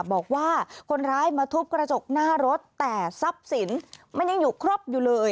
บอกว่าคนร้ายมาทุบกระจกหน้ารถแต่ทรัพย์สินมันยังอยู่ครบอยู่เลย